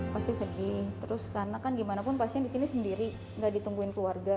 pasti sedih terus karena kan gimana pun pasien disini sendiri gak ditungguin keluar